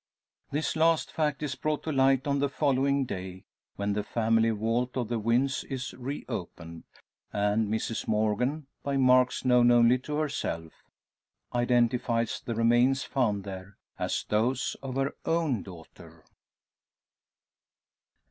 This last fact is brought to light on the following day; when the family vault of the Wynns is re opened, and Mrs Morgan by marks known only to herself identifies the remains found there as those of her own daughter!